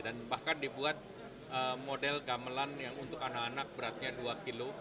dan bahkan dibuat model gamelan yang untuk anak anak beratnya dua kg